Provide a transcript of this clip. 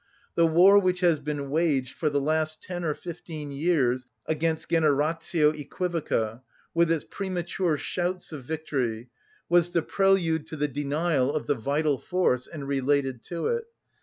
The war which has been waged for the last ten or fifteen years against generatio œquivoca, with its premature shouts of victory, was the prelude to the denial of the vital force, and related to it.